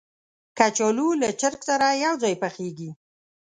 کچالو له چرګ سره یو ځای پخېږي